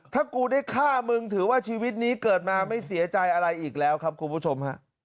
ถ้ากูได้ฆ่ามึงถือว่าชีวิตนี้เกิดมาไม่เสียใจอะไรอีกแล้วครับคุณผู้ชมฮะ